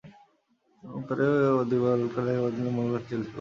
তোরেও দুবার হলুদ কার্ড দেখতে পারতেন বলে মনে করছেন চেলসি কোচ।